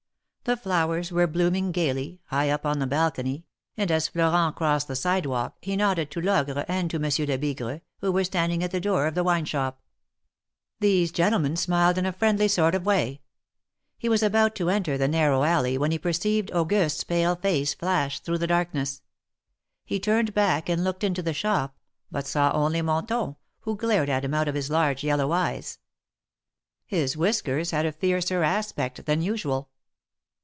The flowers were blooming gayly, high up on the balcony, and as Florent crossed the sidewalk he nodded to Loj^re and to Monsieur Lebigre, who were standing at the door of the wine shop. THE MARKETS OF PARIS. 303 These gentlemen smiled in a friendly sort of way. He was about to enter the narrow alley when he perceived Auguste^s pale face flash through the darkness. He turned back and looked into the shop, but saw only Monton, who glared at him out of his large yellow eyes ; his whiskers had a fiercer aspect than usual.